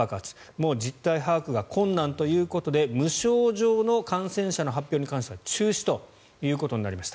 もう実態把握が困難ということで無症状の感染者の発表に関しては中止ということになりました。